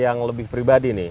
yang lebih pribadi nih